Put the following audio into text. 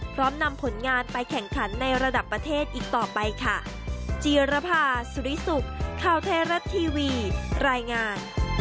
พร้อมนำผลงานไปแข่งขันในระดับประเทศอีกต่อไปค่ะ